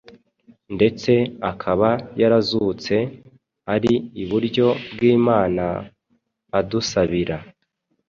ndetse akaba yarazutse, ari iburyo bw’Imana, adusabira. ”.